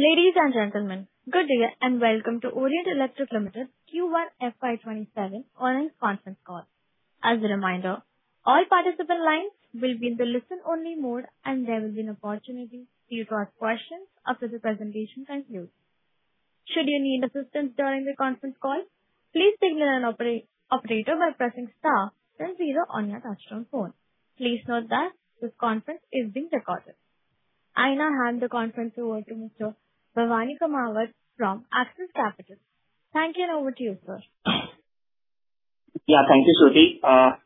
Ladies and gentlemen, good day and welcome to Orient Electric Limited's Q1 FY 2027 earnings conference call. As a reminder, all participant lines will be in the listen only mode, and there will be an opportunity to ask questions after the presentation concludes. Should you need assistance during the conference call, please signal an operator by pressing star then zero on your touchtone phone. Please note that this conference is being recorded. I now hand the conference over to Mr. Bhavani Kumawat from Axis Capital. Thank you, and over to you, sir. Thank you, Shruti.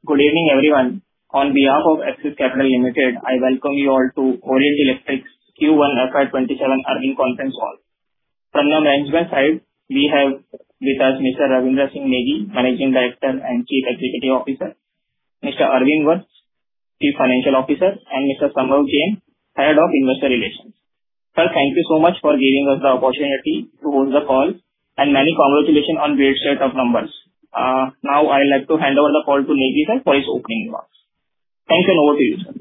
Good evening, everyone. On behalf of Axis Capital Limited, I welcome you all to Orient Electric's Q1 FY 2027 earnings conference call. From the management side, we have with us Mr. Ravindra Singh Negi, Managing Director and Chief Executive Officer, Mr. Arvind Vats, Chief Financial Officer, and Mr. Sambhav Jain, Head of Investor Relations. Sir, thank you so much for giving us the opportunity to hold the call, and many congratulations on the set of numbers. I'd like to hand over the call to Negi for his opening remarks. Thank you, and over to you, sir.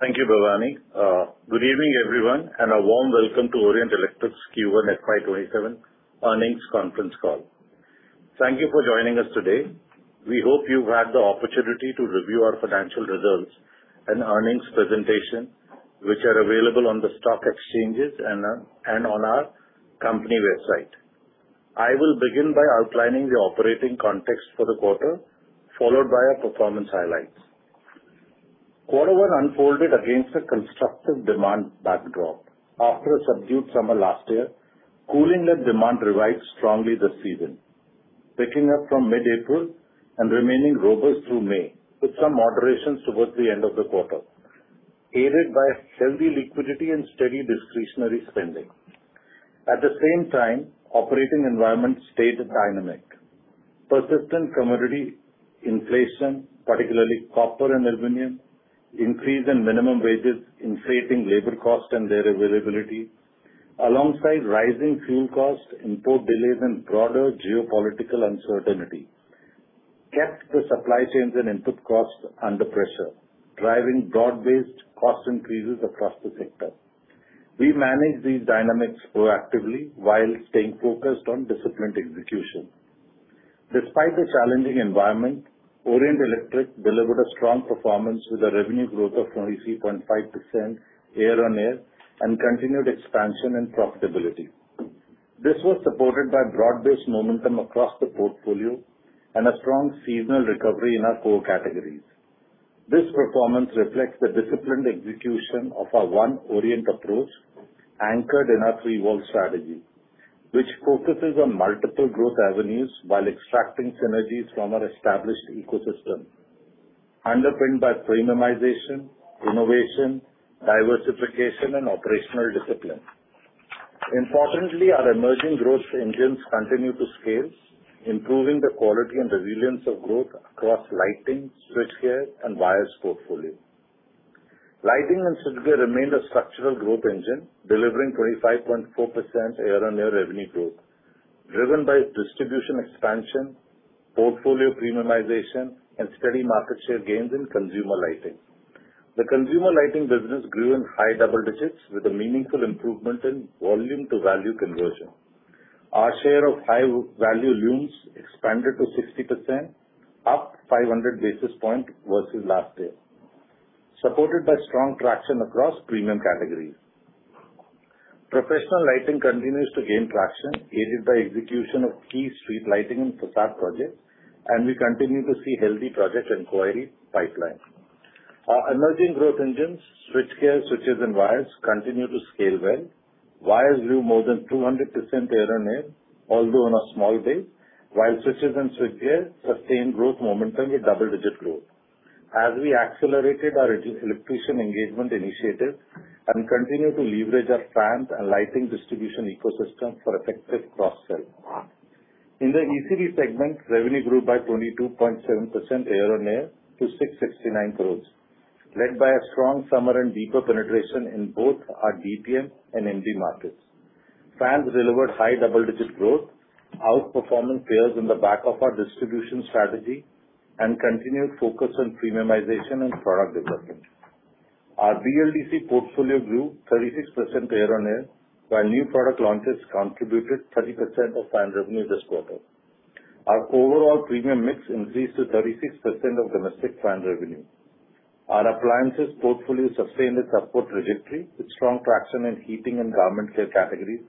Thank you, Bhavani. Good evening, everyone, and a warm welcome to Orient Electric's Q1 FY 2027 earnings conference call. Thank you for joining us today. We hope you've had the opportunity to review our financial results and earnings presentation, which are available on the stock exchanges and on our company website. I will begin by outlining the operating context for the quarter, followed by our performance highlights. Quarter one unfolded against a constructive demand backdrop. After a subdued summer last year, cooling and demand revived strongly this season, picking up from mid-April and remaining robust through May, with some moderation towards the end of the quarter, aided by healthy liquidity and steady discretionary spending. At the same time, operating environment stayed dynamic. Persistent commodity inflation, particularly copper and aluminum, increase in minimum wages, inflating labor cost and their availability, alongside rising fuel costs, import delays, and broader geopolitical uncertainty kept the supply chains and input costs under pressure, driving broad-based cost increases across the sector. We managed these dynamics proactively while staying focused on disciplined execution. Despite the challenging environment, Orient Electric delivered a strong performance with a revenue growth of 23.5% year-on-year and continued expansion and profitability. This was supported by broad-based momentum across the portfolio and a strong seasonal recovery in our core categories. This performance reflects the disciplined execution of our One Orient approach, anchored in our Three Worlds strategy, which focuses on multiple growth avenues while extracting synergies from our established ecosystem, underpinned by premiumization, innovation, diversification, and operational discipline. Importantly, our emerging growth engines continue to scale, improving the quality and resilience of growth across lighting, switchgear, and wires portfolio. Lighting and switchgear remained a structural growth engine, delivering 25.4% year-on-year revenue growth, driven by distribution expansion, portfolio premiumization, and steady market share gains in consumer lighting. The consumer lighting business grew in high double digits with a meaningful improvement in volume to value conversion. Our share of high-value luminaires expanded to 60%, up 500 basis points versus last year, supported by strong traction across premium categories. Professional lighting continues to gain traction, aided by execution of key street lighting and PRASAD projects. We continue to see healthy project inquiry pipeline. Our emerging growth engines, switchgear, switches, and wires continue to scale well. Wires grew more than 200% year-on-year, although on a small base, while switches and switchgear sustained growth momentum with double-digit growth as we accelerated our electrician engagement initiatives and continued to leverage our fans and lighting distribution ecosystem for effective cross-sell. In the ECD segment, revenue grew by 22.7% year-on-year to 669 crore, led by a strong summer and deeper penetration in both our DPM and MD markets. Fans delivered high double-digit growth, outperforming peers on the back of our distribution strategy and continued focus on premiumization and product development. Our BLDC portfolio grew 36% year-on-year, while new product launches contributed 30% of fan revenue this quarter. Our overall premium mix increased to 36% of domestic fan revenue. Our appliances portfolio sustained its upward trajectory with strong traction in heating and garment care categories,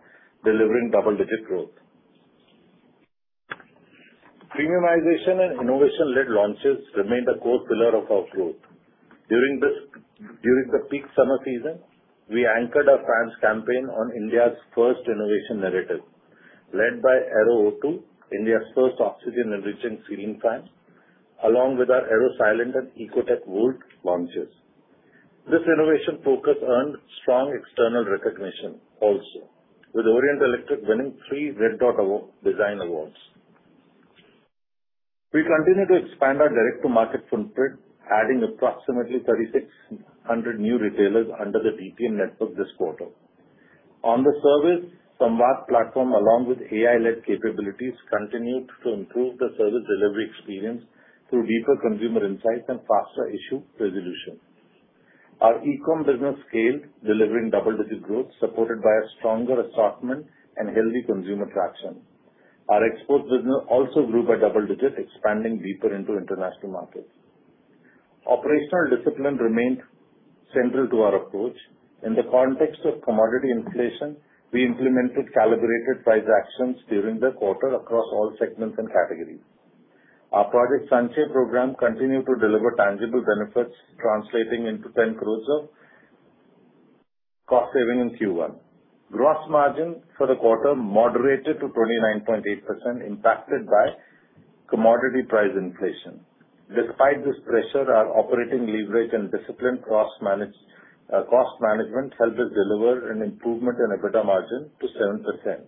delivering double-digit growth. Premiumization and innovation-led launches remained a core pillar of our growth. During the peak summer season, we anchored our fans campaign on India's first innovation narrative, led by Aero O2, India's first oxygen-enriching ceiling fan, along with our Aerosilent and Ecotech Volt launches. This innovation focus earned strong external recognition also, with Orient Electric winning three Red Dot Design Awards. We continue to expand our direct-to-market footprint, adding approximately 3,600 new retailers under the DPM network this quarter. On the service, Samvad platform, along with AI-led capabilities, continued to improve the service delivery experience through deeper consumer insights and faster issue resolution. Our e-com business scaled, delivering double-digit growth, supported by a stronger assortment and healthy consumer traction. Our export business also grew by double digits, expanding deeper into international markets. Operational discipline remained central to our approach. In the context of commodity inflation, we implemented calibrated price actions during the quarter across all segments and categories. Our Project Sanchay program continued to deliver tangible benefits, translating into 10 crore of cost savings in Q1. Gross margin for the quarter moderated to 29.8%, impacted by commodity price inflation. Despite this pressure, our operating leverage and disciplined cost management helped us deliver an improvement in EBITDA margin to 7%,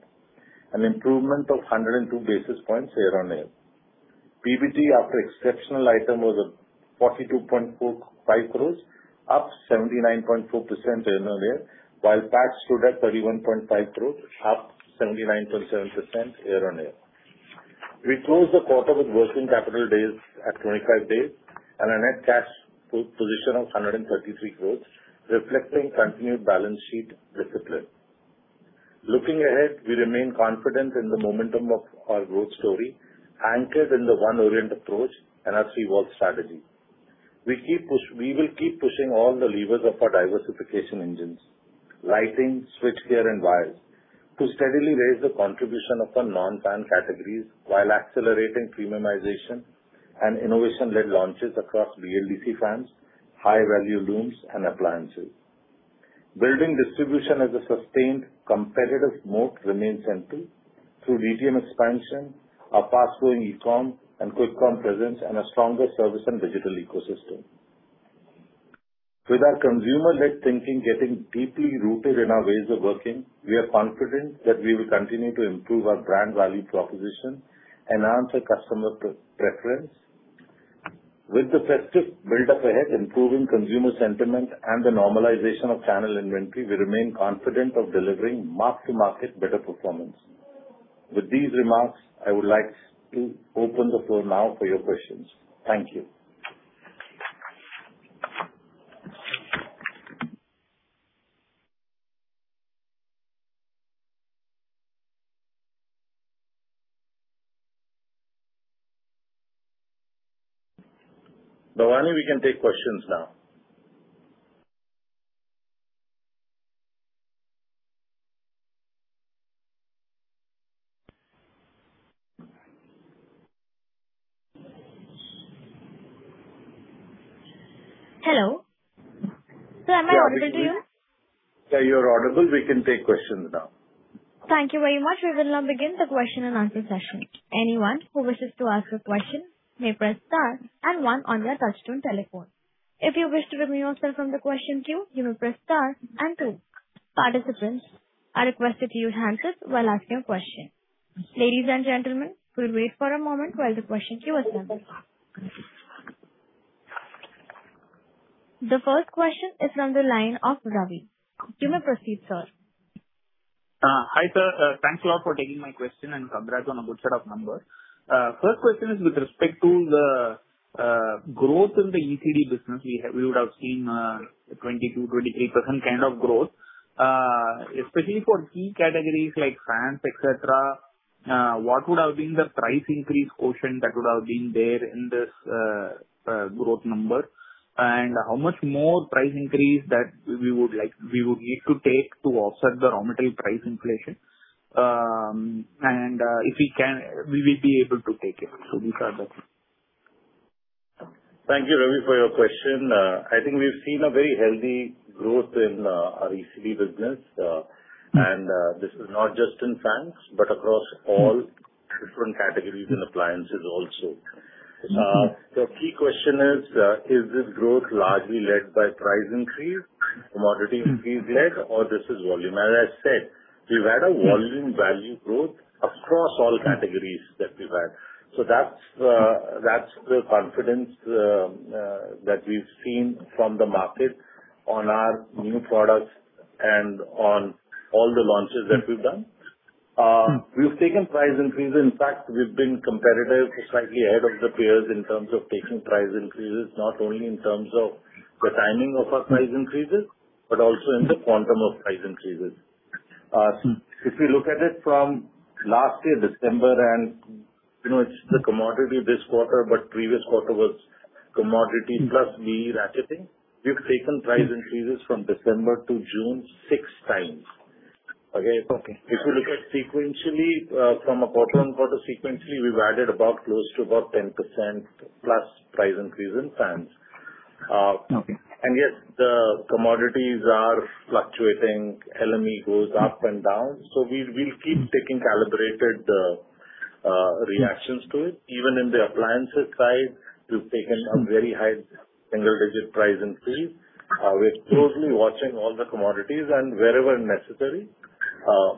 an improvement of 102 basis points year-on-year. PBT after exceptional item was 42.45 crore, up 79.4% year-on-year, while PAT stood at 31.5 crore, up 79.7% year-on-year. We closed the quarter with working capital days at 25 days and a net cash position of 133 crore, reflecting continued balance sheet discipline. Looking ahead, we remain confident in the momentum of our growth story, anchored in the One Orient approach and our Three Worlds strategy. We will keep pushing all the levers of our diversification engines, lighting, switchgear, and wires, to steadily raise the contribution of our non-fan categories while accelerating premiumization and innovation-led launches across BLDC fans, high-value looms, and appliances. Building distribution as a sustained competitive moat remains central through DTM expansion, our fast-growing e-com and Quickcom presence, and a stronger service and digital ecosystem. With our consumer-led thinking getting deeply rooted in our ways of working, we are confident that we will continue to improve our brand value proposition and earn customer preference. With the festive build up ahead, improving consumer sentiment, and the normalization of channel inventory, we remain confident of delivering mark-to-market better performance. With these remarks, I would like to open the floor now for your questions. Thank you. Bhavani, we can take questions now. Hello. Sir, am I audible to you? Yeah, you're audible. We can take questions now. Thank you very much. We will now begin the question-and-answer session. Anyone who wishes to ask a question may press star and one on their touch-tone telephone. If you wish to remove yourself from the question queue, you may press star and two. Participants, I request that you unmute yourself while asking a question. Ladies and gentlemen, we'll wait for a moment while the question queue assembles. The first question is from the line of Ravi. You may proceed, sir. Hi, sir. Thanks a lot for taking my question, and congrats on a good set of numbers. First question is with respect to the growth in the ECD business. We would have seen a 22%, 23% kind of growth. Especially for key categories like fans, et cetera, what would have been the price increase quotient that would have been there in this growth number? How much more price increase that we would need to take to offset the raw material price inflation? If we can, will we be able to take it? Thank you, Ravi, for your question. I think we've seen a very healthy growth in our ECD business. This is not just in fans, but across all different categories and appliances also. Key question is this growth largely led by price increase, commodity increase led, or this is volume? As I said, we've had a volume value growth across all categories that we've had. That's the confidence that we've seen from the market on our new products and on all the launches that we've done. We've taken price increases. In fact, we've been competitive, slightly ahead of the peers in terms of taking price increases, not only in term s of the timing of our price increases, but also in the quantum of price increases. If we look at it from last year, December, and it's the commodity this quarter, but previous quarter was commodity plus the ratcheting. We've taken price increases from December to June six times. Okay. Okay. If you look at sequentially from a quarter-on-quarter sequentially, we've added close to about 10% plus price increase in fans. Okay. Yes, the commodities are fluctuating. LME goes up and down. We'll keep taking calibrated reactions to it. Even in the appliances side, we've taken a very high single-digit price increase. We're closely watching all the commodities, and wherever necessary,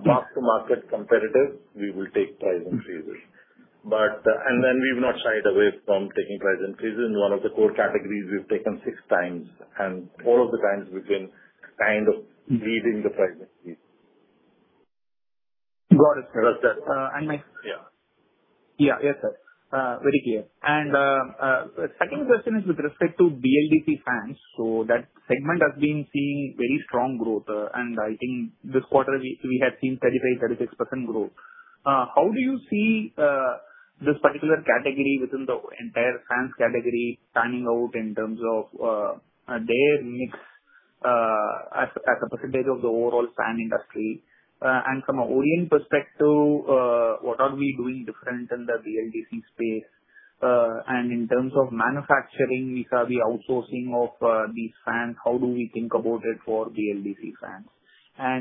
mark-to-market competitive, we will take price increases. We've not shied away from taking price increases. In one of the core categories, we've taken six times, and all of the times we've been kind of leading the price increase. Got it. Trust that. My- Yeah. Yes, sir. Very clear. The second question is with respect to BLDC fans. That segment has been seeing very strong growth. I think this quarter we have seen 35%-36% growth. How do you see this particular category within the entire fans category standing out in terms of their mix as a percentage of the overall fan industry? From an Orient perspective, what are we doing different in the BLDC space? In terms of manufacturing vis-à-vis outsourcing of these fans, how do we think about it for BLDC fans?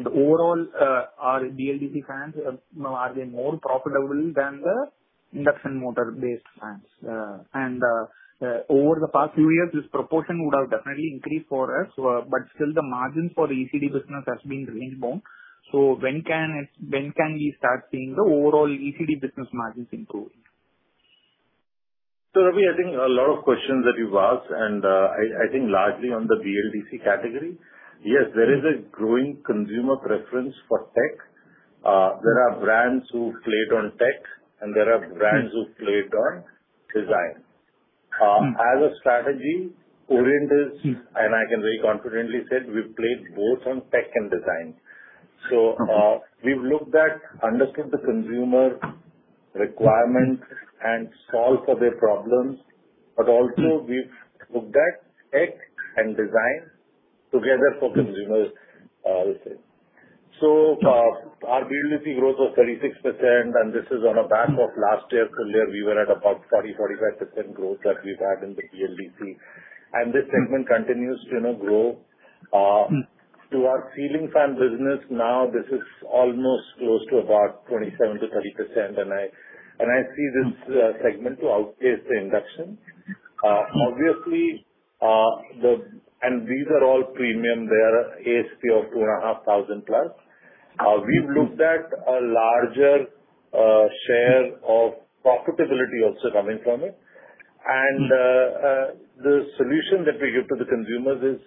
Overall, are BLDC fans more profitable than the induction motor-based fans? Over the past few years, this proportion would have definitely increased for us. Still the margin for the ECD business has been range bound. When can we start seeing the overall ECD business margins improving? Ravi, I think a lot of questions that you've asked, and I think largely on the BLDC category. Yes, there is a growing consumer preference for tech. There are brands who played on tech and there are brands who played on design. As a strategy, I can very confidently say we've played both on tech and design. We've looked at, understood the consumer requirements and solved for their problems. Also, we've looked at tech and design together for consumers also. Our BLDC growth was 36%, and this is on a back of last year, so there we were at about 40%-45% growth that we've had in the BLDC. This segment continues to grow. To our ceiling fan business now, this is almost close to about 27%-30%. I see this segment to outpace the induction. These are all premium. They are ASP of 2,500 plus. We've looked at a larger share of profitability also coming from it. The solution that we give to the consumers is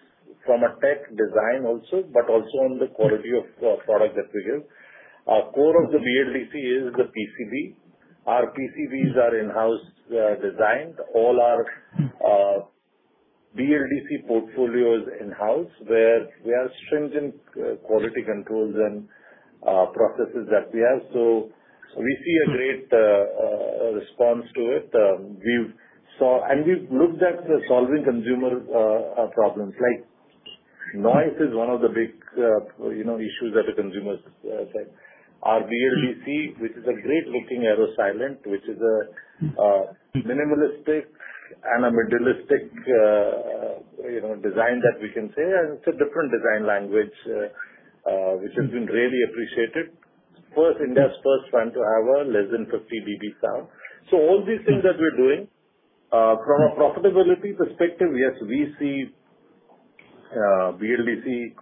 from a tech design also, but also on the quality of product that we give. Our core of the BLDC is the PCB. Our PCBs are in-house designed. All our BLDC portfolio is in-house, where we are stringent quality controls and processes that we have. We see a great response to it. We've looked at solving consumer problems, like noise is one of the big issues that the consumers said. Our BLDC, which is a great looking Aerosilent, which is a minimalistic and a metallic design that we can say, and it's a different design language which has been really appreciated. India's first fan to have less than 50 DB sound. All these things that we're doing, from a profitability perspective, yes, we see BLDC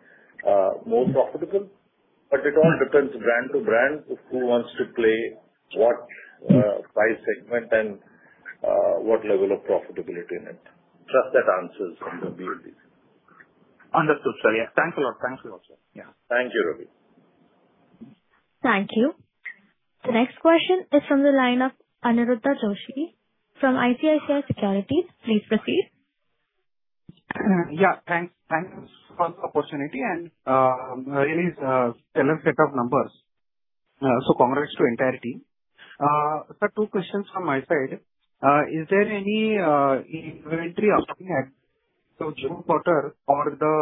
more profitable, but it all depends brand to brand who wants to play what by segment and what level of profitability in it. Trust that answers on the BLDC. Understood, sir. Yeah, thanks a lot, sir. Thank you, Ravi. Thank you. The next question is from the line of Aniruddha Joshi from ICICI Securities. Please proceed. Thanks for the opportunity. It is a stellar set of numbers. Congrats to entire team. Sir, two questions from my side. Is there any inventory upcoming at June quarter or the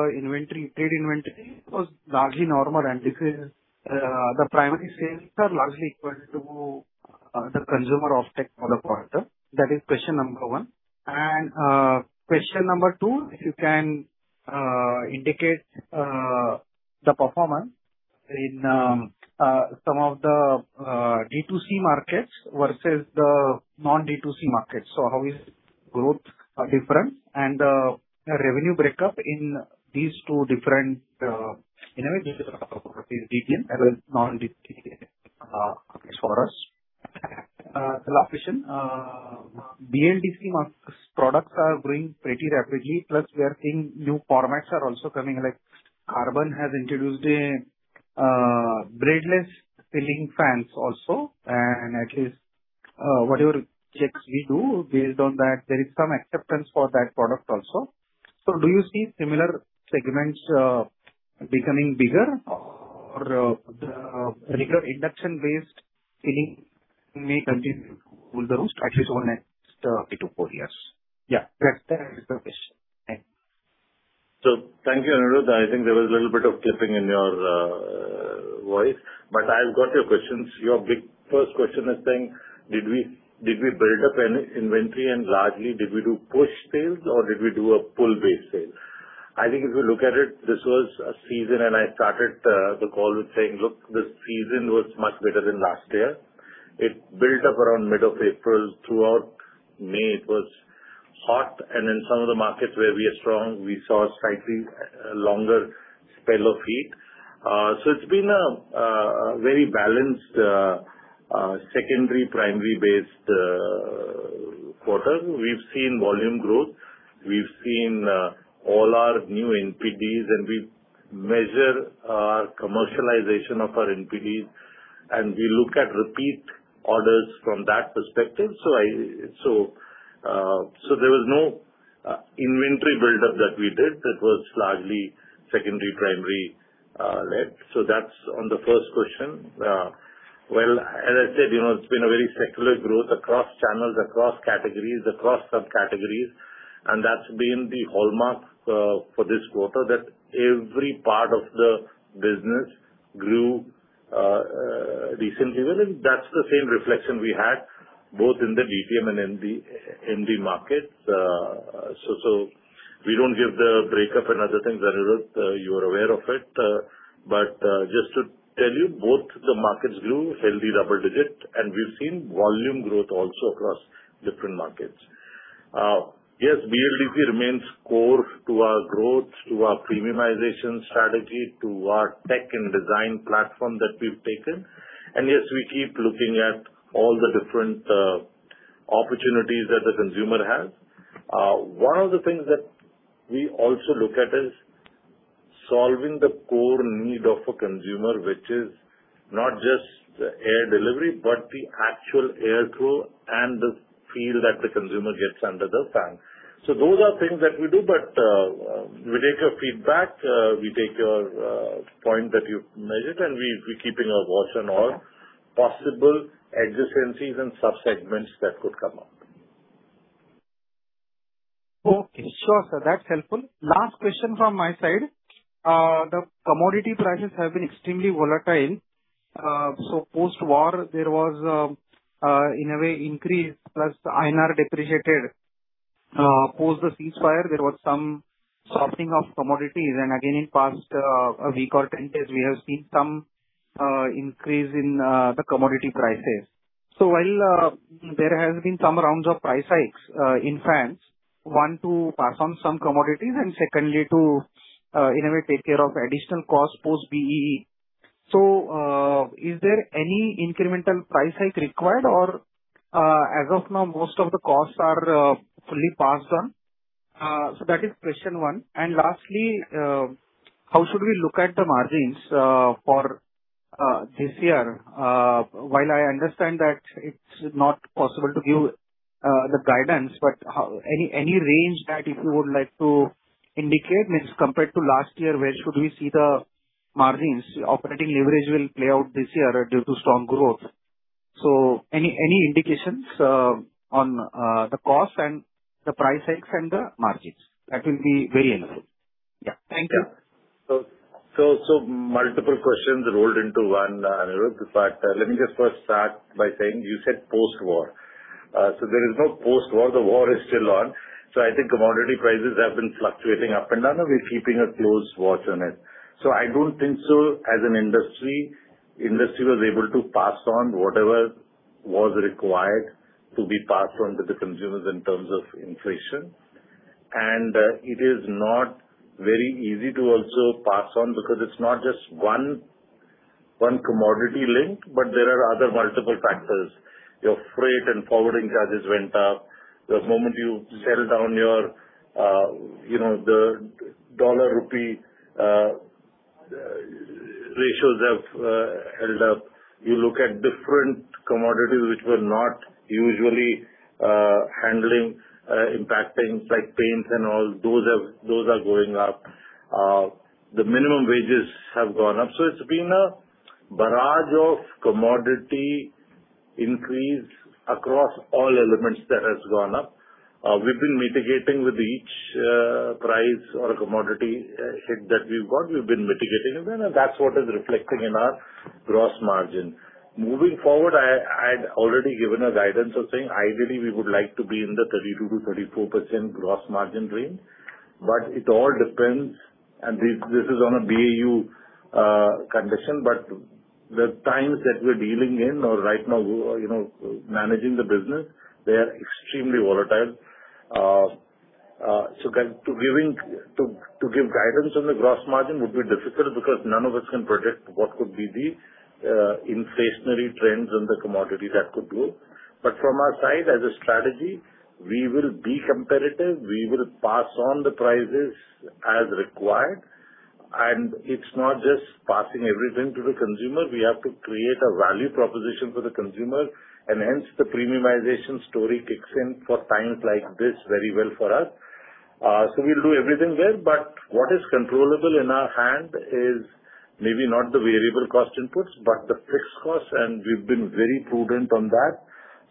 trade inventory was largely normal, and the primary sales are largely equal to the consumer offtake for the quarter? That is question number one. Question number two, if you can indicate the performance in some of the D2C markets versus the non-D2C markets. How is growth different and the revenue breakup in these two different as a non-D2C markets for us? The last question. BLDC markets products are growing pretty rapidly, plus we are seeing new formats are also coming, like Crompton has introduced a bladeless ceiling fans also, and at least whatever checks we do based on that, there is some acceptance for that product also. Do you see similar segments becoming bigger or the regular induction-based ceiling may continue to rule the roost at least over the next three to four years? Yeah, that is the question. Thanks. Thank you, Aniruddha. I think there was a little bit of clipping in your voice, but I've got your questions. Your big first question is saying, did we build up any inventory and largely did we do push sales or did we do a pull-based sale? I think if you look at it, this was a season and I started the call with saying, look, this season was much better than last year. It built up around middle of April. Throughout May, it was hot, and in some of the markets where we are strong, we saw a slightly longer spell of heat. It's been a very balanced secondary, primary-based quarter, we've seen volume growth. We've seen all our new NPDs, and we measure our commercialization of our NPDs, and we look at repeat orders from that perspective. There was no inventory build-up that we did that was largely secondary, primary led. That's on the first question. Well, as I said, it's been a very secular growth across channels, across categories, across subcategories, and that's been the hallmark for this quarter, that every part of the business grew decently well, and that's the same reflection we had both in the DTM and in the MD markets. We don't give the breakup and other things, Anirudh, you are aware of it. But just to tell you, both the markets grew healthy double digit, and we've seen volume growth also across different markets. Yes, BLDC remains core to our growth, to our premiumization strategy, to our tech and design platform that we've taken. Yes, we keep looking at all the different opportunities that the consumer has. One of the things that we also look at is solving the core need of a consumer, which is not just the air delivery, but the actual air flow and the feel that the consumer gets under the fan. Those are things that we do. We take your feedback, we take your point that you've measured, and we're keeping a watch on all possible adjacencies and sub-segments that could come up. Okay. Sure, sir, that's helpful. Last question from my side. The commodity prices have been extremely volatile. Post-war, there was, in a way, increase plus the INR depreciated. Post the ceasefire, there was some softening of commodities. Again, in past a week or 10 days, we have seen some increase in the commodity prices. While there has been some rounds of price hikes in fans, one, to pass on some commodities, and secondly, to, in a way, take care of additional cost post BEE. Is there any incremental price hike required or, as of now, most of the costs are fully passed on? That is question one. Lastly, how should we look at the margins for this year? While I understand that it's not possible to give the guidance, any range that you would like to indicate means compared to last year, where should we see the margins operating leverage will play out this year due to strong growth. Any indications on the cost and the price hikes and the margins, that will be very helpful. Yeah. Thank you. Multiple questions rolled into one, Anirudh. Let me just first start by saying, you said post-war. There is no post-war. The war is still on. I think commodity prices have been fluctuating up and down, and we're keeping a close watch on it. I don't think so, as an industry was able to pass on whatever was required to be passed on to the consumers in terms of inflation. It is not very easy to also pass on because it's not just one commodity link, but there are other multiple factors. Your freight and forwarding charges went up. The moment you settle down the dollar rupee ratios have held up. You look at different commodities which were not usually handling impacting like paints and all, those are going up. The minimum wages have gone up. It's been a barrage of commodity increase across all elements that has gone up. We've been mitigating with each price or a commodity hit that we've got, we've been mitigating again, and that's what is reflecting in our gross margin. Moving forward, I had already given a guidance of saying ideally we would like to be in the 32%-34% gross margin range. It all depends, and this is on a BAU condition, but the times that we're dealing in or right now managing the business, they are extremely volatile. To give guidance on the gross margin would be difficult because none of us can predict what could be the inflationary trends in the commodity that could go. From our side, as a strategy, we will be competitive. We will pass on the prices as required. It's not just passing everything to the consumer. We have to create a value proposition for the consumer, hence the premiumization story kicks in for times like this very well for us. We'll do everything well. What is controllable in our hand is maybe not the variable cost inputs, but the fixed costs, and we've been very prudent on that.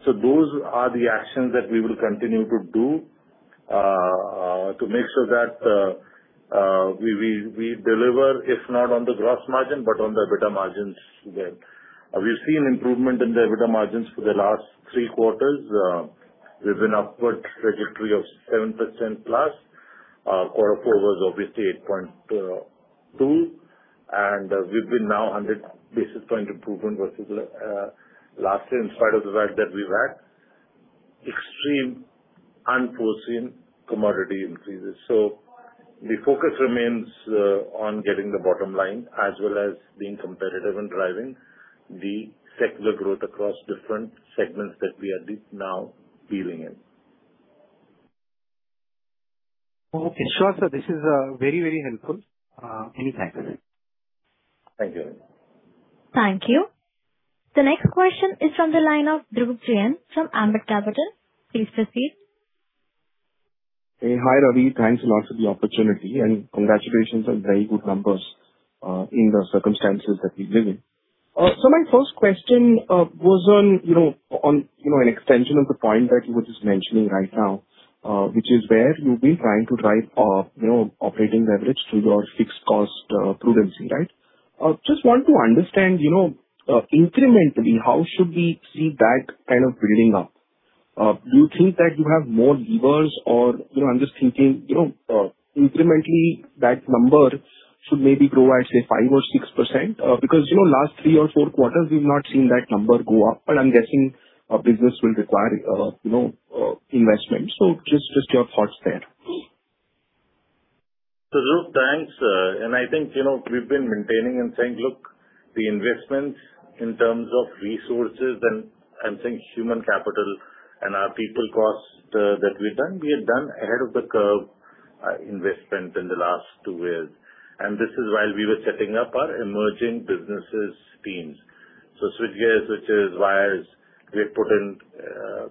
Those are the actions that we will continue to do to make sure that we deliver, if not on the gross margin, but on the EBITDA margins there. We've seen improvement in the EBITDA margins for the last three quarters. We've been upward trajectory of 7%+. Quarter four was obviously 8.2%, and we've been now 100 basis points improvement versus last year, in spite of the fact that we've had extreme unforeseen commodity increases. The focus remains on getting the bottom line, as well as being competitive and driving the secular growth across different segments that we are now dealing in. Okay, sure, sir. This is very helpful. Many thanks. Thank you very much. Thank you. The next question is from the line of Dhruv Jain from Ambit Capital. Please proceed. Hi, Ravi. Thanks a lot for the opportunity, Congratulations on very good numbers in the circumstances that we live in. My first question was on an extension of the point that you were just mentioning right now, which is where you've been trying to drive operating leverage through your fixed cost prudency, right? Just want to understand, incrementally, how should we see that kind of building up? Do you think that you have more levers or, I'm just thinking, incrementally that number should maybe grow at, say, 5% or 6%? Because last three or four quarters, we've not seen that number go up, I'm guessing business will require investment. Just your thoughts there. Dhruv, thanks. I think we've been maintaining and saying, look, the investments in terms of resources and I'm saying human capital and our people cost that we've done, we have done ahead of the curve investment in the last two years. This is while we were setting up our emerging businesses teams. Switchgear, switches, wires, we put in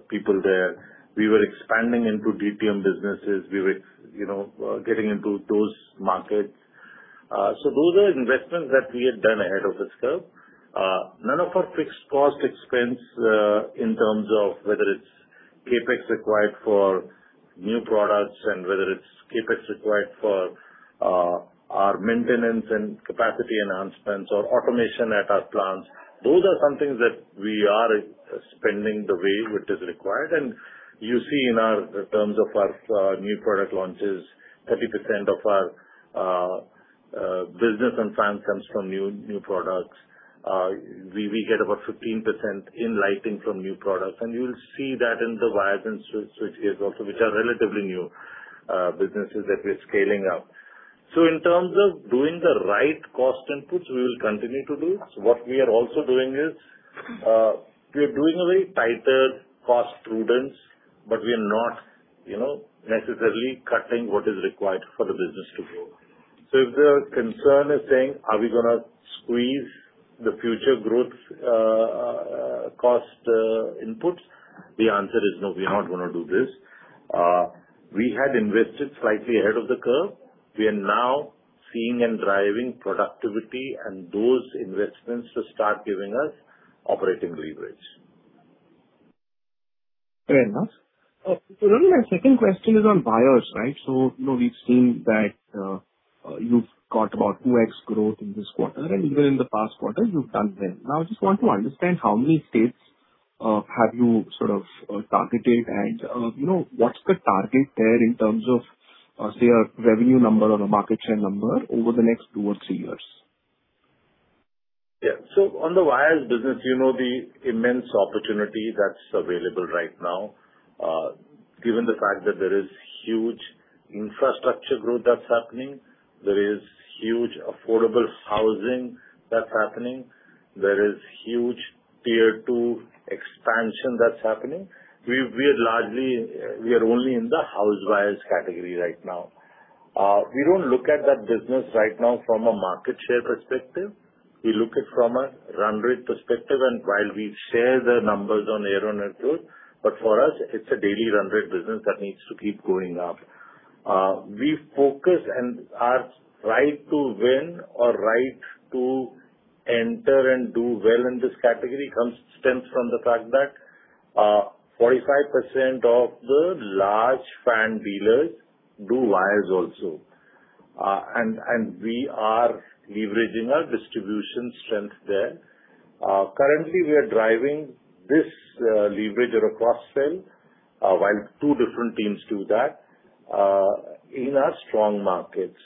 people there. We were expanding into DTM businesses. We were getting into those markets. Those are investments that we had done ahead of this curve. None of our fixed cost expense, in terms of whether it's CapEx required for new products and whether it's CapEx required for our maintenance and capacity enhancements or automation at our plants, those are some things that we are spending the way which is required. You see in our terms of our new product launches, 30% of our business and fan comes from new products. We get about 15% in lighting from new products. You'll see that in the wires and switchgears also, which are relatively new businesses that we are scaling up. In terms of doing the right cost inputs, we will continue to do. What we are also doing is, we are doing a very tighter cost prudence, we are not necessarily cutting what is required for the business to grow. If the concern is saying, are we going to squeeze the future growth cost inputs? The answer is no, we are not going to do this. We had invested slightly ahead of the curve. We are now seeing and driving productivity and those investments to start giving us operating leverage. Fair enough. Ravi, my second question is on buyers. We've seen that you've got about 2x growth in this quarter, and even in the past quarter, you've done well. Now, I just want to understand how many states have you sort of targeted and what's the target there in terms of, say, a revenue number or a market share number over the next two or three years? On the wires business, the immense opportunity that's available right now, given the fact that there is huge infrastructure growth that's happening, there is huge affordable housing that's happening, there is huge tier 2 expansion that's happening. We are only in the house wires category right now. We don't look at that business right now from a market share perspective. We look it from a run rate perspective, and while we share the numbers on year-over-year growth, for us, it's a daily run rate business that needs to keep going up. We focus and our right to win or right to enter and do well in this category stems from the fact that 45% of the large fan dealers do wires also. We are leveraging our distribution strength there. Currently, we are driving this leverage or cross-sell while two different teams do that in our strong markets,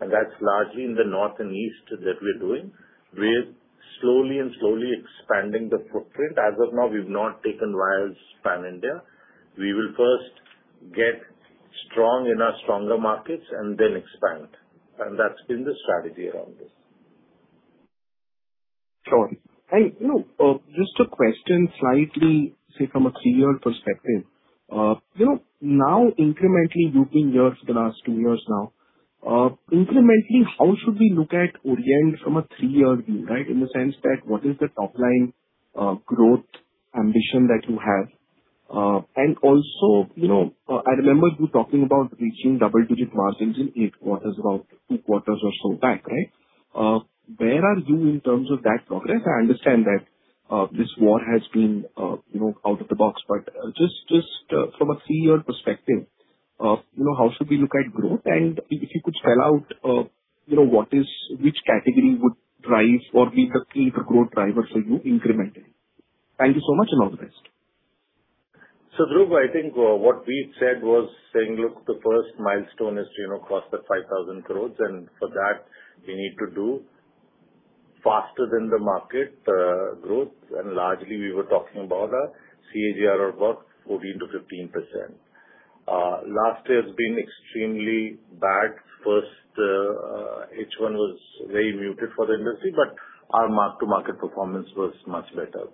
and that's largely in the north and east that we're doing. We're slowly and slowly expanding the footprint. As of now, we've not taken wires pan-India. We will first get strong in our stronger markets and then expand. That's been the strategy around this. Sure. Just a question slightly, say, from a three-year perspective. Now incrementally you've been here for the last two years now. Incrementally, how should we look at Orient from a three-year view, right? In the sense that what is the top-line growth ambition that you have? Also, I remember you talking about reaching double-digit margins in 8 quarters, about two quarters or so back, right? Where are you in terms of that progress? I understand that this war has been out of the box, but just from a three-year perspective, how should we look at growth? If you could spell out which category would drive or be the key growth driver for you incrementally. Thank you so much and all the best. Dhruv, I think what we said was saying, look, the first milestone is cross the 5,000 crores, and for that we need to do faster than the market growth, and largely we were talking about our CAGR of about 14%-15%. Last year has been extremely bad. First, H1 was very muted for the industry, but our mark-to-market performance was much better.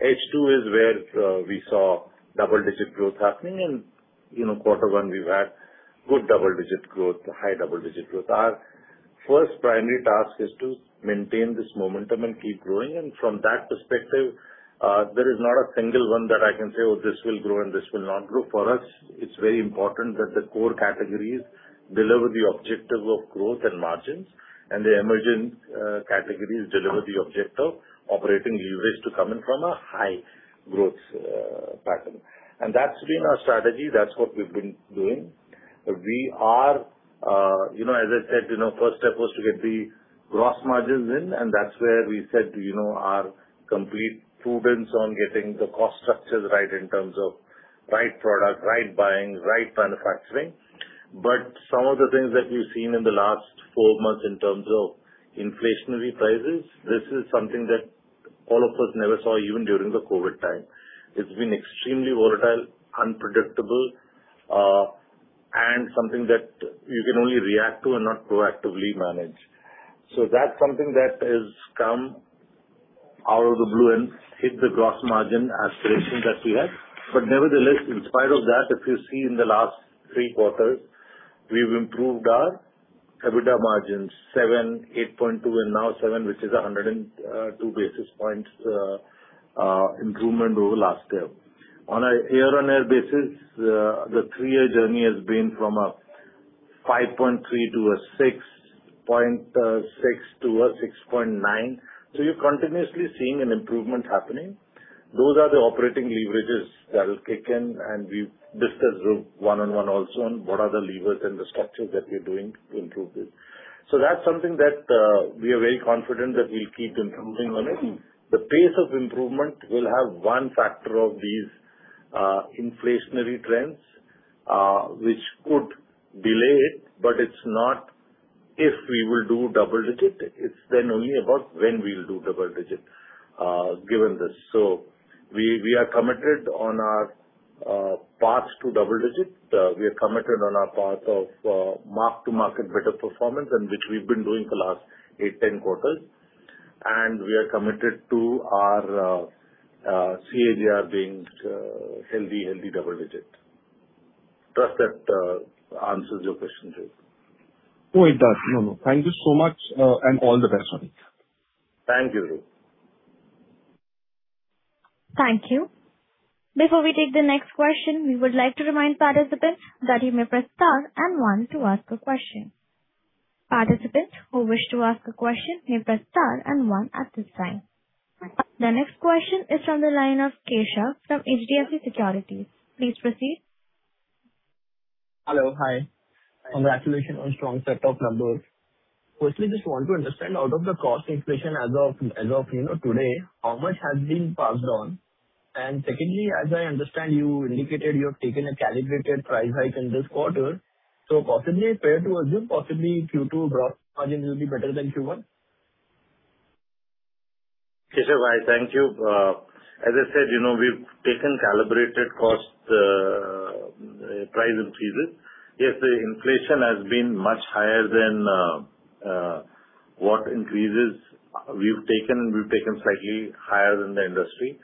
H2 is where we saw double-digit growth happening, and quarter one we've had good double-digit growth, high double-digit growth. Our first primary task is to maintain this momentum and keep growing. From that perspective, there is not a single one that I can say, "Oh, this will grow and this will not grow." For us, it's very important that the core categories deliver the objective of growth and margins, and the emerging categories deliver the objective operating leverage to come in from a high growth pattern. That's been our strategy. That's what we've been doing. As I said, first step was to get the gross margins in, and that's where we said our complete prudence on getting the cost structures right in terms of right product, right buying, right manufacturing. Some of the things that we've seen in the last four months in terms of inflationary prices, this is something that all of us never saw even during the COVID time. It's been extremely volatile, unpredictable, and something that you can only react to and not proactively manage. That's something that has come out of the blue and hit the gross margin aspirations that we had. Nevertheless, in spite of that, if you see in the last three quarters, we've improved our EBITDA margins 7%, 8.2% and now 7%, which is 102 basis points improvement over last year. On a year-over-year basis, the three-year journey has been from a 5.3% to a 6.6% to a 6.9%, so you're continuously seeing an improvement happening. Those are the operating leverages that will kick in, and we've discussed with one-on-one also on what are the levers and the structures that we're doing to improve this. That's something that we are very confident that we'll keep improving on it. The pace of improvement will have one factor of these inflationary trends, which could delay it's not if we will do double digit, it's then only about when we will do double digit given this. We are committed on our path to double digits. We are committed on our path of mark-to-market better performance, which we've been doing for the last eight, 10 quarters. We are committed to our CAGR being healthy double digit. Trust that answers your question, Dhruv. Oh, it does. No, no. Thank you so much, and all the best, Ravindra. Thank you. Thank you. Before we take the next question, we would like to remind participants that you may press star and one to ask a question. Participants who wish to ask a question may press star and one at this time. The next question is from the line of Keshav from HDFC Securities. Please proceed. Hello. Hi. Congratulations on strong set of numbers. Firstly, just want to understand out of the cost inflation as of today, how much has been passed on? Secondly, as I understand, you indicated you have taken a calibrated price hike in this quarter, so possibly fair to assume possibly Q2 gross margin will be better than Q1? Keshav, hi. Thank you. As I said, we've taken calibrated cost price increases. Yes, the inflation has been much higher than what increases we've taken. We've taken slightly higher than the industry.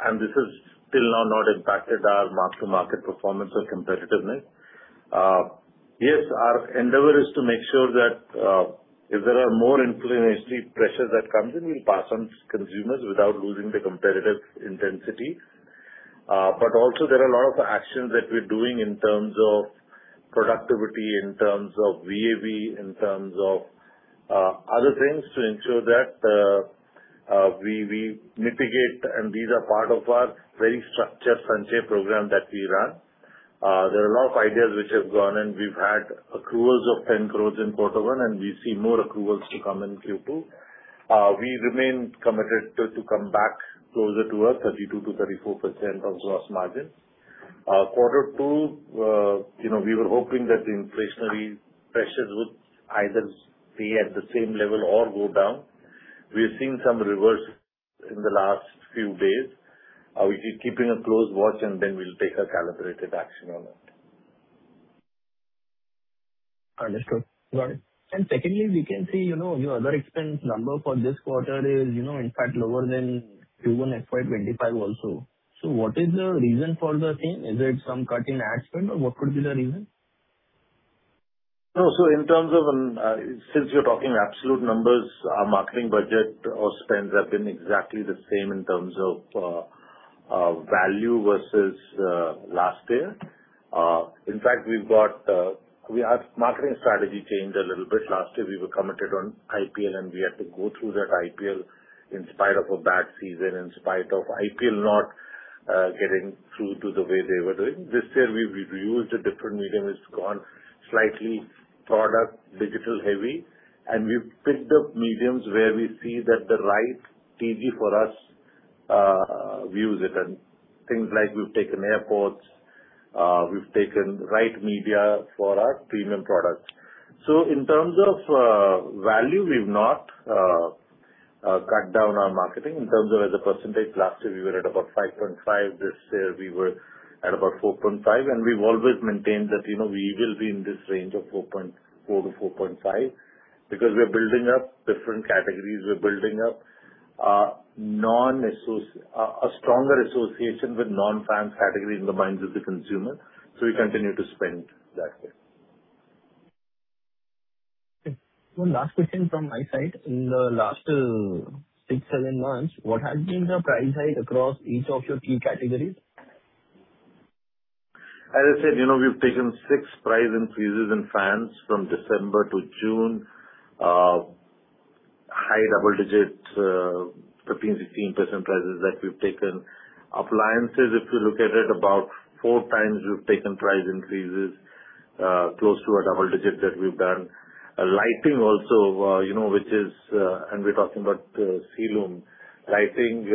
This is till now not impacted our mark-to-market performance or competitiveness. Yes, our endeavor is to make sure that, if there are more inflationary pressures that comes in, we'll pass on to consumers without losing the competitive intensity. Also there are a lot of actions that we're doing in terms of productivity, in terms of VAVE, in terms of other things to ensure that we mitigate, and these are part of our very structured Sanchay program that we run. There are a lot of ideas which have gone, and we've had accruals of 10 crore in Q1, and we see more accruals to come in Q2. We remain committed to come back closer to a 32%-34% of gross margins. Q2, we were hoping that the inflationary pressures would either be at the same level or go down. We're seeing some reversal in the last few days. We'll be keeping a close watch, and then we'll take a calibrated action on it. Understood. Got it. Secondly, we can see your other expense number for this quarter is in fact lower than Q1 FY 2025 also. What is the reason for the same? Is it some cut in ad spend or what could be the reason? No. Since you're talking absolute numbers, our marketing budget or spends have been exactly the same in terms of value versus last year. In fact, our marketing strategy changed a little bit. Last year we were committed on IPL, and we had to go through that IPL in spite of a bad season, in spite of IPL not getting through to the way they were doing. This year, we've used a different medium. It's gone slightly product, digital heavy, and we've picked up mediums where we see that the right TV for us views it and things like we've taken airports. We've taken the right media for our premium products. In terms of value, we've not cut down our marketing in terms of as a percentage. Last year we were at about 5.5%. This year we were at about 4.5%. We've always maintained that we will be in this range of 4.4-4.5 because we are building up different categories. We're building up a stronger association with non-fan categories in the minds of the consumer. We continue to spend that way. Okay. One last question from my side. In the last six, seven months, what has been the price hike across each of your key categories? As I said, we've taken six price increases in fans from December to June. High double digits, 15%, 16% prices that we've taken. Appliances, if you look at it, about four times we've taken price increases, close to a double digit that we've done. Lighting also, and we're talking about Ceilume. Lighting,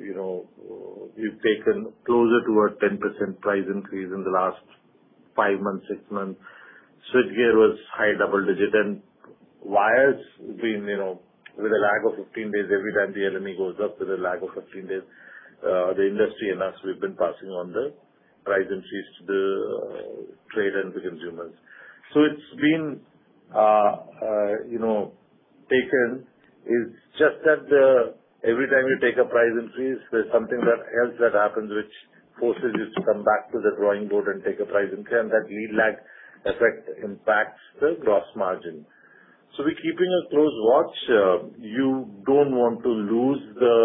we've taken closer to a 10% price increase in the last five months, six months. Switchgear was high double digit, and wires with a lag of 15 days every time the LME goes up, with a lag of 15 days, the industry and us, we've been passing on the price increases to the trade and the consumers. It's been taken. It's just that every time you take a price increase, there's something else that happens which forces you to come back to the drawing board and take a price increase. That lead lag effect impacts the gross margin. We're keeping a close watch. You don't want to lose the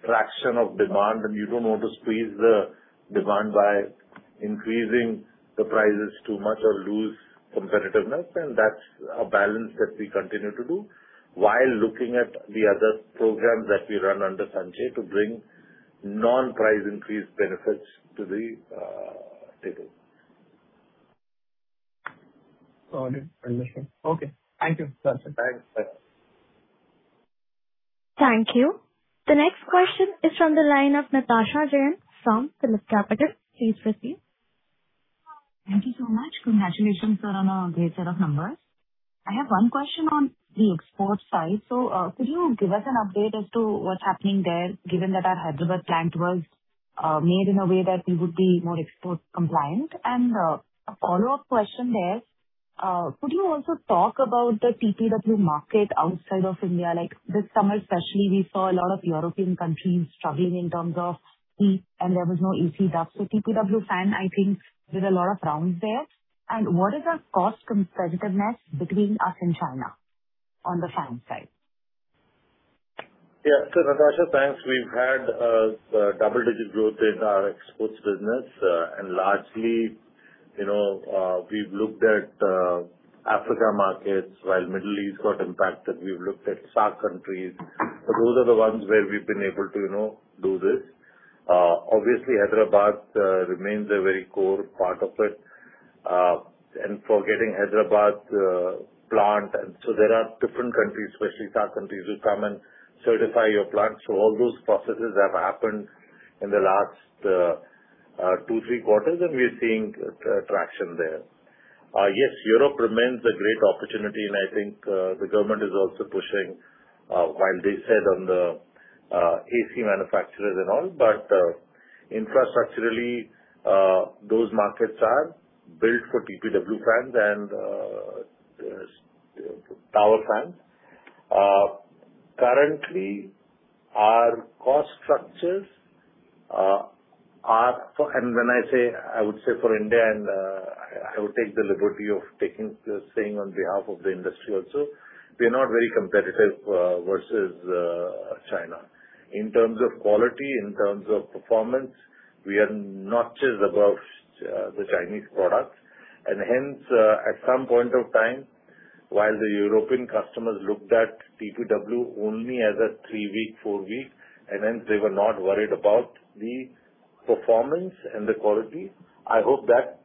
traction of demand, and you don't want to squeeze the demand by increasing the prices too much or lose competitiveness. That's a balance that we continue to do while looking at the other programs that we run under Sanchay to bring non-price increase benefits to the table. Okay. Thank you. That's it. Thank you. The next question is from the line of Natasha Jain from PhillipCapital. Please proceed. Thank you so much. Congratulations, sir, on a great set of numbers. I have one question on the export side. Could you give us an update as to what's happening there, given that our Hyderabad plant was made in a way that we would be more export compliant? A follow-up question there, could you also talk about the TPW market outside of India? Like this summer especially, we saw a lot of European countries struggling in terms of heat, and there was no AC draft. TPW fan, I think there's a lot of rounds there. What is our cost competitiveness between us and China on the fan side? Yeah. Natasha, thanks. We've had a double-digit growth in our exports business. Largely, we've looked at Africa markets while Middle East got impacted. We've looked at SAARC countries. Those are the ones where we've been able to do this. Obviously, Hyderabad remains a very core part of it. For getting Hyderabad plant, there are different countries, especially SAARC countries, who come and certify your plant. All those processes have happened in the last two, three quarters, and we are seeing traction there. Yes, Europe remains a great opportunity, and I think the government is also pushing while they said on the AC manufacturers and all. Infrastructurally, those markets are built for TPW fans and tower fans. Currently, our cost structures are, and I would say for India, and I would take the liberty of saying on behalf of the industry also, we are not very competitive versus China. In terms of quality, in terms of performance, we are notches above the Chinese products. Hence, at some point of time, while the European customers looked at TPW only as a three-week, four-week, hence they were not worried about the performance and the quality. I hope that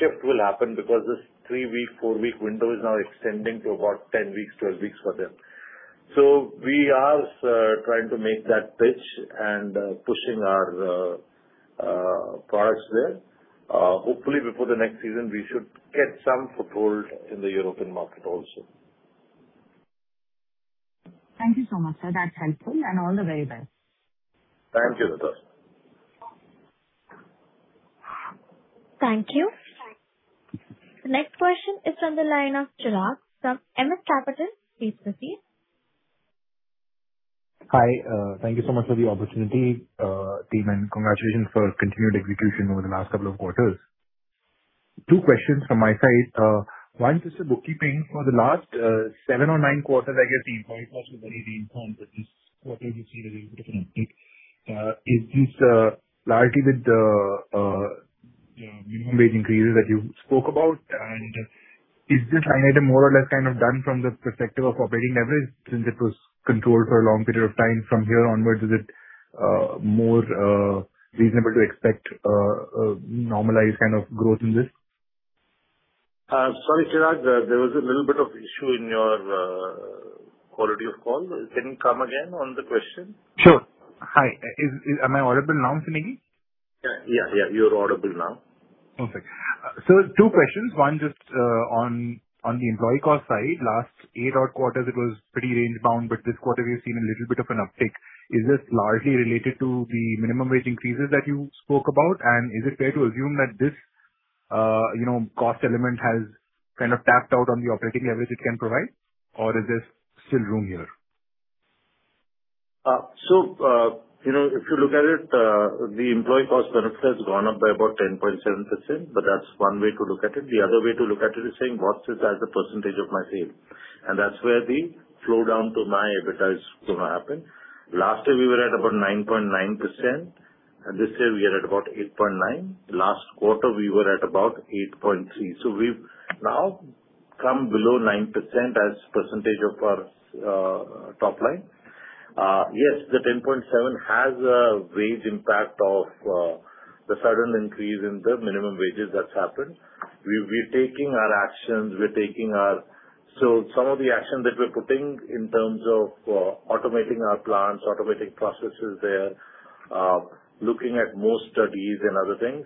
shift will happen because this three-week, four-week window is now extending to about 10 weeks, 12 weeks for them. We are trying to make that pitch and pushing our products there. Hopefully before the next season, we should get some foothold in the European market also. Thank you so much, sir. That's helpful, and all the very best. Thank you, Natasha. Thank you. The next question is from the line of Chirag from EMES Capital. Please proceed. Hi. Thank you so much for the opportunity, team, and congratulations for continued execution over the last couple of quarters. Two questions from my side. One is the bookkeeping for the last seven or nine quarters, I guess the input costs have already been informed, but this quarter we've seen a little bit of an uptick. Is this largely with the minimum wage increases that you spoke about? Is this item more or less kind of done from the perspective of operating leverage since it was controlled for a long period of time? From here onwards, is it more reasonable to expect a normalized kind of growth in this? Sorry, Chirag. There was a little bit of issue in your quality of call. Can you come again on the question? Sure. Hi, am I audible now sir Negi? Yeah, you're audible now. Perfect. Two questions. One just on the employee cost side. Last eight odd quarters, it was pretty range-bound, but this quarter we've seen a little bit of an uptick. Is this largely related to the minimum wage increases that you spoke about? Is it fair to assume that this cost element has kind of tapped out on the operating leverage it can provide? Or is there still room here? If you look at it, the employee cost benefit has gone up by about 10.7%, but that's one way to look at it. The other way to look at it is saying, what's this as a percentage of my sale? That's where the flow down to my EBITDA is going to happen. Last year we were at about 9.9%, and this year we are at about 8.9%. Last quarter we were at about 8.3%. We've now come below 9% as percentage of our top line. Yes, the 10.7% has a wage impact of the sudden increase in the minimum wages that's happened. We're taking our actions. Some of the actions that we're putting in terms of automating our plants, automating processes there, looking at more studies and other things,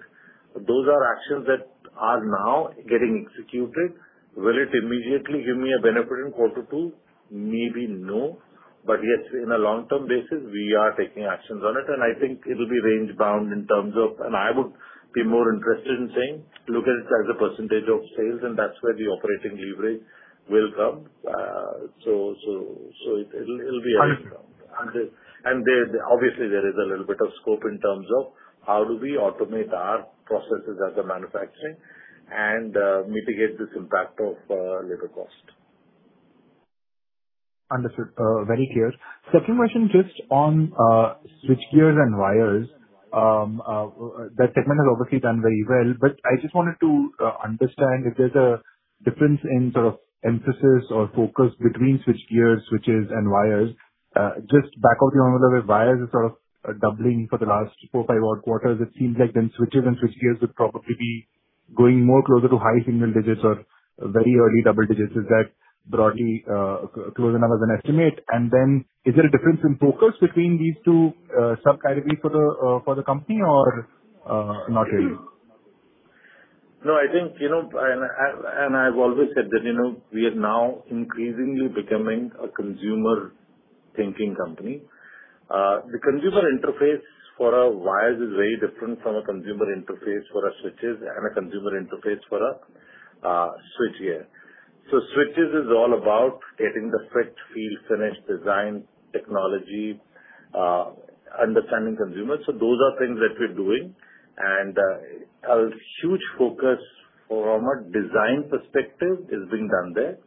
those are actions that are now getting executed. Will it immediately give me a benefit in quarter two? Maybe no. Yes, in a long-term basis, we are taking actions on it, and I think it'll be range bound. I would be more interested in saying, look at it as a percentage of sales, and that's where the operating leverage will come. It'll be a range bound. Understood. Obviously, there is a little bit of scope in terms of how do we automate our processes as a manufacturing and mitigate this impact of labor cost. Understood. Very clear. Second question, just on switchgear and wires. That segment has obviously done very well, but I just wanted to understand if there's a difference in sort of emphasis or focus between switchgears, switches, and wires. Just back of the envelope, the wires are sort of doubling for the last four or five odd quarters. It seems like then switches and switchgears would probably be going more closer to high single digits or very early double digits. Is that broadly close enough as an estimate? Is there a difference in focus between these two subcategories for the company or not really? No, I think, I've always said that we are now increasingly becoming a consumer-thinking company. The consumer interface for our wires is very different from a consumer interface for our switches and a consumer interface for our switchgear. Switches is all about getting the fit, feel, finish, design, technology, understanding consumers. Those are things that we're doing. A huge focus from a design perspective is being done there.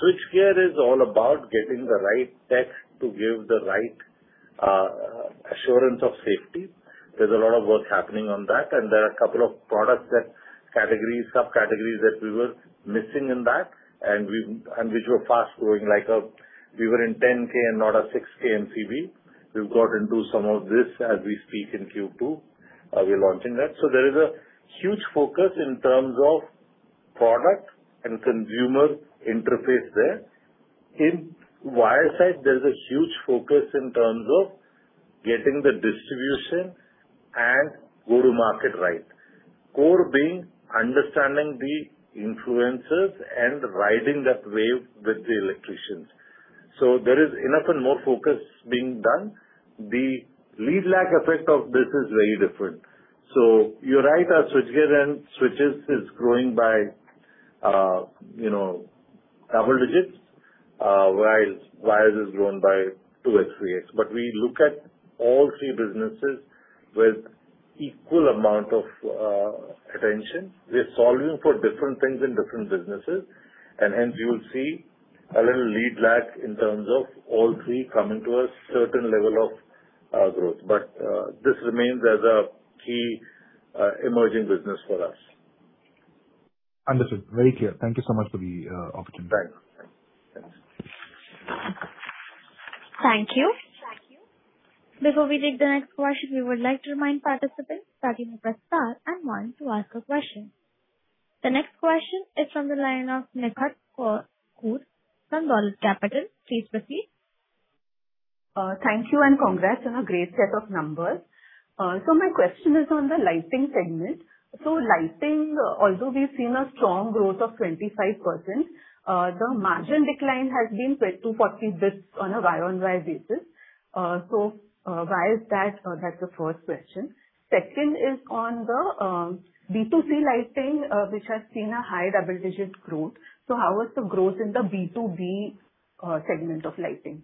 Switchgear is all about getting the right tech to give the right assurance of safety. There's a lot of work happening on that. There are a couple of products, categories, subcategories that we were missing in that, and which were fast-growing like we were in 10K and not a 6K MCB. We've got into some of this as we speak in Q2. We're launching that. There is a huge focus in terms of product and consumer interface there. In wire side, there's a huge focus in terms of getting the distribution and go-to-market right. Core being understanding the influencers and riding that wave with the electricians. There is enough and more focus being done. The lead lag effect of this is very different. You're right, our switchgear and switches is growing by double digits, while wires has grown by 2x, 3x. We look at all three businesses with equal amount of attention. We're solving for different things in different businesses, and hence you will see a little lead lag in terms of all three coming to a certain level of growth. This remains as a key emerging business for us. Understood. Very clear. Thank you so much for the opportunity. Thanks. Thank you. Before we take the next question, we would like to remind participants that you may press star 1 to ask a question. The next question is from the line of Nikhat Koor from Dolat Capital. Please proceed. Thank you. Congrats on a great set of numbers. My question is on the lighting segment. Lighting, although we've seen a strong growth of 25%, the margin decline has been 240 basis points on a year-over-year basis. Why is that? That's the first question. Second is on the B2C lighting, which has seen a high double-digit growth. How is the growth in the B2B segment of lighting?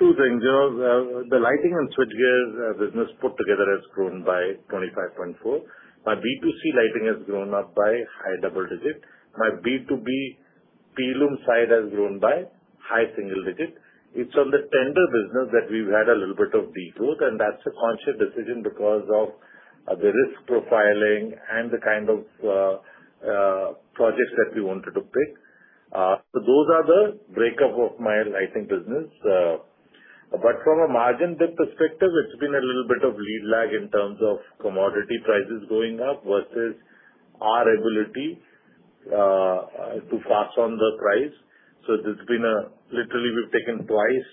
Two things. The lighting and switchgear business put together has grown by 25.4%. My B2C lighting has grown up by high double digits. My B2B PLUM side has grown by high single digits. It's on the tender business that we've had a little bit of de-growth, and that's a conscious decision because of the risk profiling and the kind of projects that we wanted to pick. Those are the breakup of my lighting business. From a margin delta perspective, it's been a little bit of lead lag in terms of commodity prices going up versus our ability to pass on the price. Literally, we've taken twice,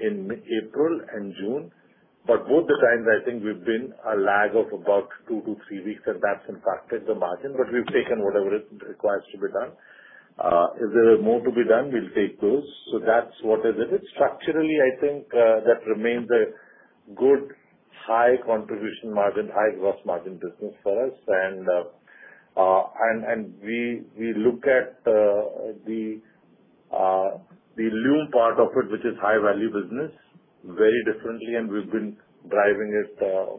in April and June, both the times I think we've been a lag of about two to three weeks and that's impacted the margin. We've taken whatever is required to be done. If there is more to be done, we'll take those. That's what it is. Structurally, I think that remains a good high contribution margin, high gross margin business for us. We look at the PLUM part of it, which is high value business, very differently and we've been driving it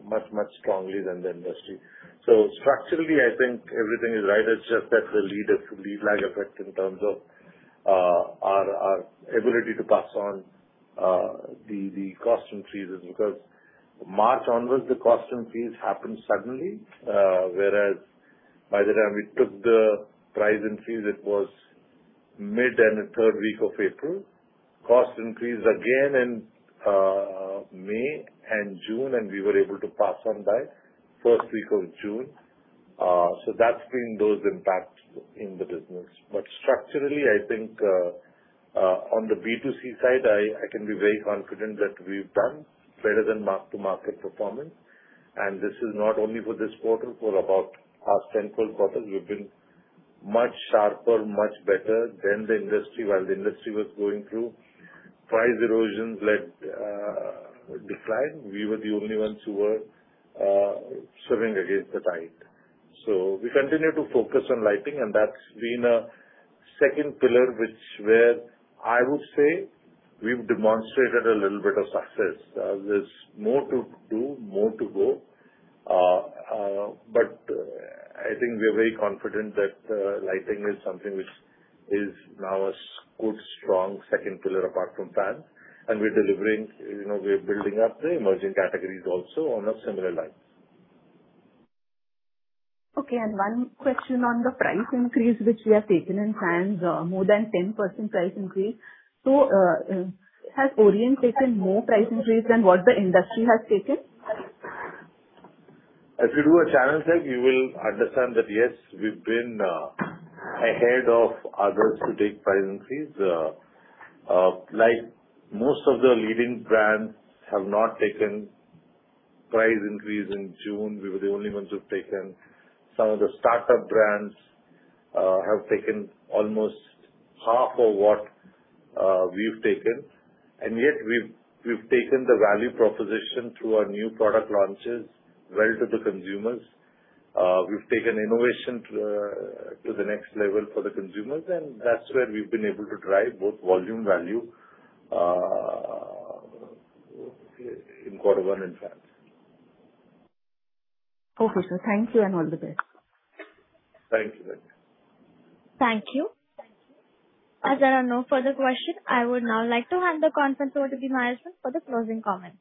much, much strongly than the industry. Structurally, I think everything is right. It's just that the lead lag effect in terms of our ability to pass on the cost increases because March onwards the cost increase happened suddenly. Whereas by the time we took the price increase it was mid and the third week of April. Cost increase again in May and June and we were able to pass on by first week of June. That's been those impacts in the business. Structurally, I think on the B2C side, I can be very confident that we've done better than mark-to-market performance. This is not only for this quarter. For about past 10, 12 quarters we've been much sharper, much better than the industry while the industry was going through price erosions led decline. We were the only ones who were swimming against the tide. We continue to focus on lighting and that's been a second pillar where I would say we've demonstrated a little bit of success. There's more to do, more to go. I think we're very confident that lighting is something which is now a good strong second pillar apart from fans and we're delivering, we're building up the emerging categories also on a similar line. Okay. One question on the price increase which we have taken in fans, more than 10% price increase. Has Orient taken more price increase than what the industry has taken? If you do a channel check, you will understand that yes, we've been ahead of others to take price increase. Most of the leading brands have not taken price increase in June. We were the only ones who've taken. Some of the startup brands have taken almost half of what we've taken and yet we've taken the value proposition through our new product launches well to the consumers. We've taken innovation to the next level for the consumers and that's where we've been able to drive both volume value in quarter one and fans. Okay sir. Thank you and all the best. Thank you. Thank you. As there are no further question, I would now like to hand the conference over to the management for the closing comments.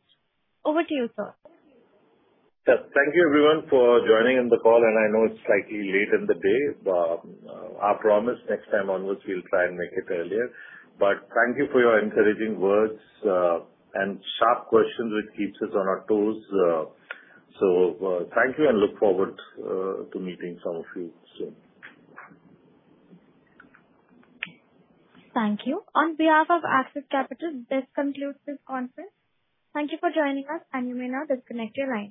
Over to you, sir. Yes. Thank you everyone for joining in the call and I know it's slightly late in the day, but I promise next time onwards we'll try and make it earlier. Thank you for your encouraging words and sharp questions which keeps us on our toes. Thank you and look forward to meeting some of you soon. Thank you. On behalf of Axis Capital, this concludes this conference. Thank you for joining us. You may now disconnect your lines.